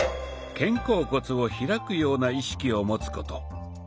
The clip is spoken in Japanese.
肩甲骨を開くような意識を持つこと。